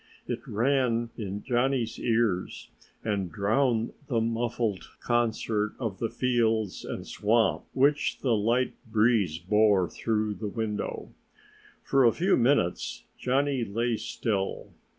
It rang in Johnnie's ears and drowned the muffled concert of the fields and swamp which the light breeze bore through the window. For a few minutes Johnnie lay still.